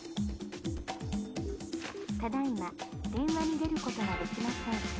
ただ今電話に出ることができません。